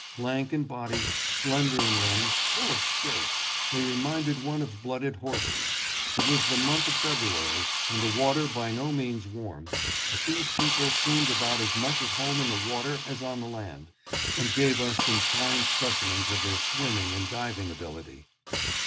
Lank in body, slender in limb, full of spirit, they reminded one of blooded horses. It was the month of February, and the water by no means warm, but these people seemed about as much at home in the water as on the land, and gave us some fine speci mens of their swimming and diving ability.